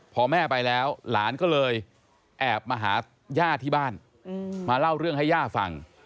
พอแม่ไปแล้วหลานก็เลยแอบมาหาย่าที่บ้านมาเล่าเรื่องให้ย่าฟัง